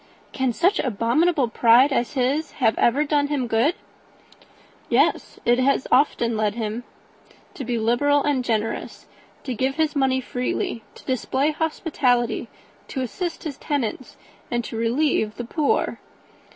"Can such abominable pride as his have ever done him good?" "Yes; it has often led him to be liberal and generous; to give his money freely, to display hospitality, to assist his tenants, and relieve the poor.